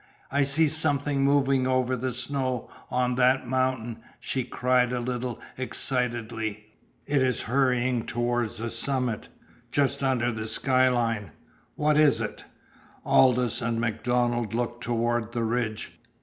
"I see something moving over the snow on that mountain!" she cried a little excitedly. "It is hurrying toward the summit just under the skyline! What is it?" Aldous and MacDonald looked toward the ridge.